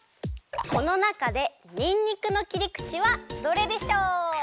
このなかでにんにくのきりくちはどれでしょう？